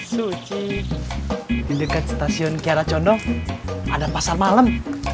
suci di dekat stasiun kiara condong ada pasar malam